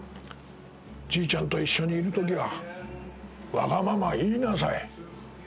じいちゃんと一緒にいるときはわがまま言いなさい。